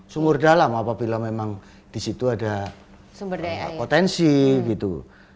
sumur dalam apabila memang di situ ada potensi gitu